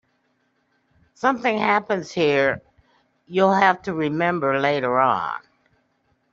Something happens here you'll have to remember later on.